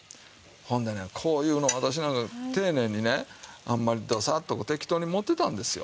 ほんでねこういうの私なんか丁寧にねあんまりドサッとこう適当に盛ってたんですよ。